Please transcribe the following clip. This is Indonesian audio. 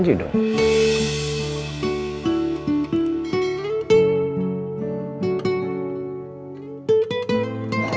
sebelum kita naik panggung